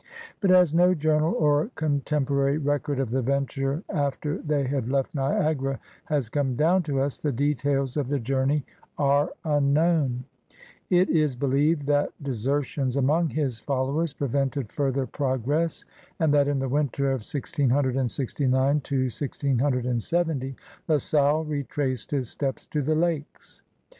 But, as no journal or contempor ary record of the venture after they had left Niagara has come down to us, the details of the journey are unknown. It is believed that de sertions among his followers prevented further progress and that, in the winter of 1669 1670, La Salle retraced his steps to the lakes.